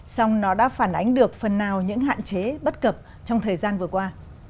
xong nó đã phản ánh được phần nào những hạn chế bất cập trong thời gian vừa qua